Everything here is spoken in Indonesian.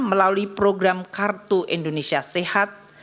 melalui program kartu indonesia sehat